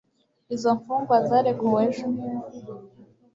Izo mfungwa zarekuwe ejo